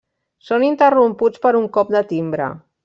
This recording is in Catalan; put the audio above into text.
Són interromputs per un cop de timbre.